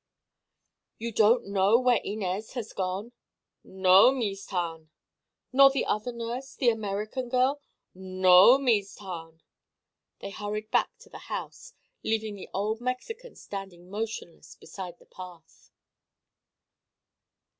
"You don't know where Inez has gone?" "No, Meest Hahn." "Nor the other nurse—the American girl?" "No, Meest Hahn." They hurried back to the house, leaving the old Mexican standing motionless beside the path.